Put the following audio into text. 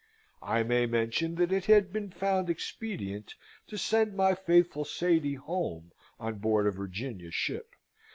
I may mention that it had been found expedient to send my faithful Sady home on board a Virginia ship.